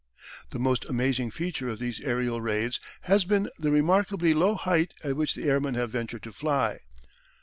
The most amazing feature of these aerial raids has been the remarkably low height at which the airmen have ventured to fly.